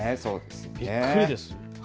びっくりです。